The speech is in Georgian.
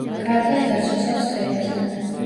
კარგად დაცოცავს ხეებზე.